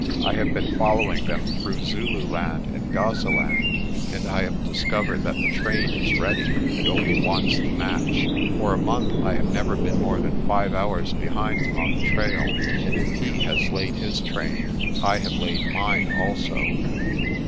I have been fol lowing them through Zululand and Gazaland, and I have discovered that the train is ready, and only wants the match. For a month I have never been more than five hours behind him on the trail j and if he has laid his train, I have laid mine also."